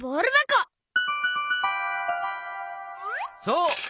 そう！